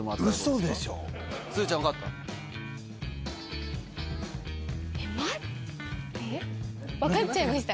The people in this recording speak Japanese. すずちゃん、分かった？